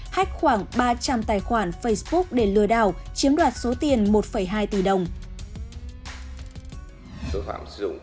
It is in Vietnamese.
hách khoảng ba trăm linh tài khoản facebook để lừa đảo chiếm đoạt số tiền một hai tỷ đồng